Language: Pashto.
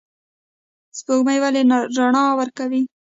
سپوږمۍ ولې رڼا ورکوي؟